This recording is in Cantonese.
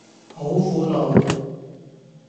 好苦惱